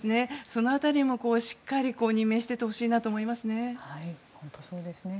その辺りもしっかり任命していってほしいなと思いますね。